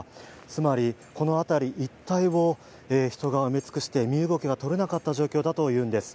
つまりこの辺り一帯を人が埋め尽くして、身動きができなかった状況だというんです。